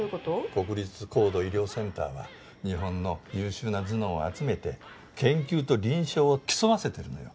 国立高度医療センターは日本の優秀な頭脳を集めて研究と臨床を競わせてるのよ。